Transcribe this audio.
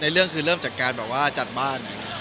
เรื่องได้เลยเริ่มจากการจัดบ้าน